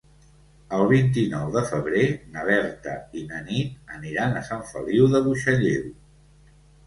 El vint-i-nou de febrer na Berta i na Nit aniran a Sant Feliu de Buixalleu.